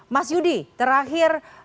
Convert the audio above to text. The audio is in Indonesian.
mas yudi terakhir